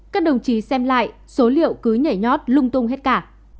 các đồng chí xem lại số liệu cứ nhảy nhót lung tung hết cả